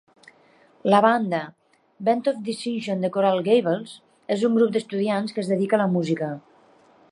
La banda Band of Distinction de Coral Gables és un grup d'estudiants que es dedica a la música.